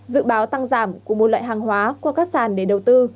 dự báo tăng giảm của một loại hàng hóa qua các sàn để đầu tư